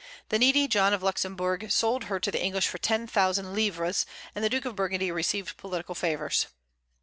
The needy John of Luxemburg sold her to the English for ten thousand livres, and the Duke of Burgundy received political favors.